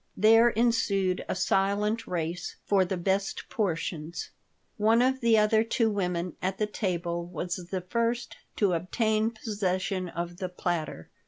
There ensued a silent race for the best portions. One of the other two women at the table was the first to obtain possession of the platter.